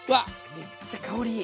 めっちゃ香りいい！